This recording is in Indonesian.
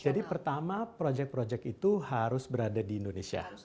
jadi pertama proyek proyek itu harus berada di indonesia